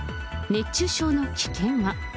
熱中症の危険は。